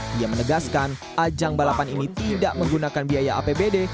dia menegaskan ajang balapan ini tidak menggunakan biaya apbd